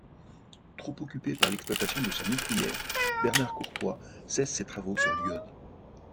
Trop occupé par l’exploitation de sa nitrière, Bernard Courtois cesse ses travaux sur l’iode.